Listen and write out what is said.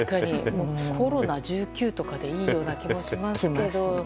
コロナ１９とかでいいような気もしますけど。